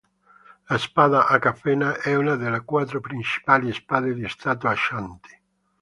La spada "Akafena" è una delle quattro principali spade di stato Ashanti.